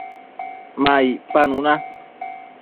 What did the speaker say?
ma icpanu na